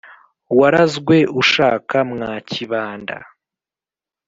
Warazwe ushaka mwa Kibanda.